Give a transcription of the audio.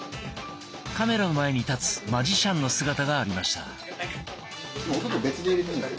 カメラの前に立つマジシャンの姿がありました。